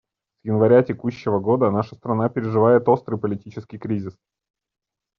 С января текущего года наша страна переживает острый политический кризис.